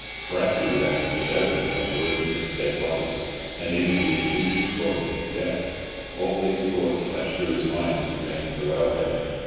Perhaps he would have to give evidence on the lunatic's dead body, and even be accused of causing his death. All these thoughts flashed through his mind as he ran to the well head.